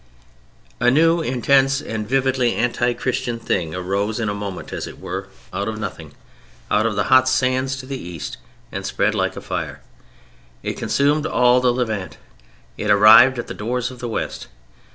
A new intense and vividly anti Christian thing arose in a moment, as it were, out of nothing, out of the hot sands to the East and spread like a fire. It consumed all the Levant. It arrived at the doors of the West.